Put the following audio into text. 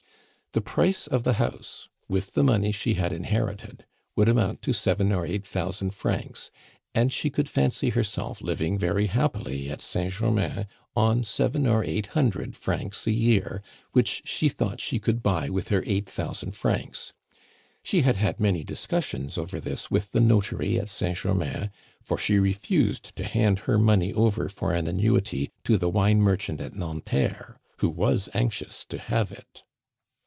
The price of the house, with the money she had inherited, would amount to seven or eight thousand francs, and she could fancy herself living very happily at Saint Germain on seven or eight hundred francs a year, which she thought she could buy with her eight thousand francs. She had had many discussions over this with the notary at Saint Germain, for she refused to hand her money over for an annuity to the wine merchant at Nanterre, who was anxious to have it.